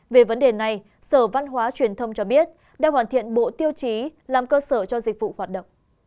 về vấn đề này sở văn hóa truyền thông cho biết đang hoàn thiện bộ tiêu chí làm cơ sở cho dịch vụ hoạt động